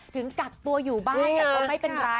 ถึงกักตัวอยู่บ้านแต่ก็ไม่เป็นไร